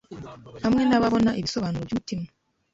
Hamwe nababona ibisobanuro byumutima